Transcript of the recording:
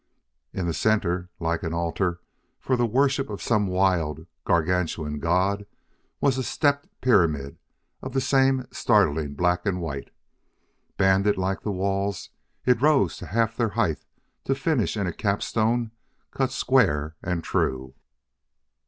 In the center, like an altar for the worship of some wild, gargantuan god, was a stepped pyramid of the same startling black and white. Banded like the walls, it rose to half their height to finish in a capstone cut square and true.